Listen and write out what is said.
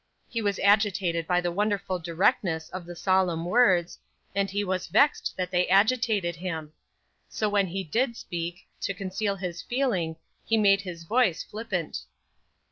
He was agitated by the wonderful directness of the solemn words, and he was vexed that they agitated him; so when he did speak, to conceal his feeling, he made his voice flippant.